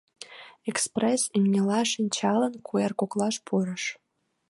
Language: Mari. Экспресс, имньыла шинчалын, куэр коклаш пурыш.